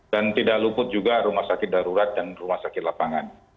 dan tidak luput juga rumah sakit darurat dan rumah sakit lapangan